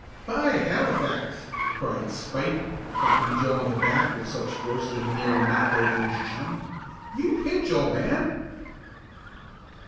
"By Halifax!" cried Spike, clapping Joe on the back with such force that he nearly knocked over his chum. "You pitch, old man!"